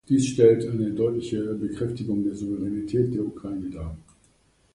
Dies stellt eine deutliche Bekräftigung der Souveränität der Ukraine dar.